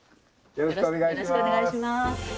よろしくお願いします。